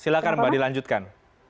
silakan mbak dilanjutkan